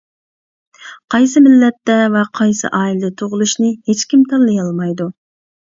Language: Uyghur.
قايسى مىللەتتە ۋە قايسى ئائىلىدە تۇغۇلۇشنى ھېچكىم تاللىيالمايدۇ.